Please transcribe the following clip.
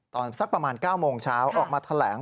สักประมาณ๙โมงเช้าออกมาแถลง